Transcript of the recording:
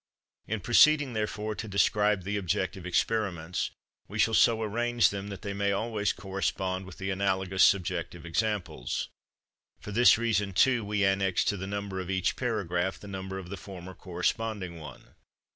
In proceeding, therefore, to describe the objective experiments, we shall so arrange them that they may always correspond with the analogous subjective examples; for this reason, too, we annex to the number of each paragraph the number of the former corresponding one.